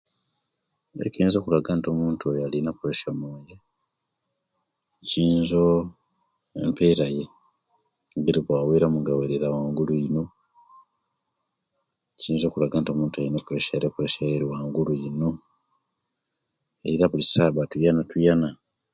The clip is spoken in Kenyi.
Ekiyinza okulaga nti omuntu oyo alina opuresya mungi kisinzo kumpera ye engeri ejawera mu awera waigulu ino, kiyinza okulaga nti omuntu oyo alina opuresya opuresya ye impanike ino era buli sawa aba atuyana tuyana.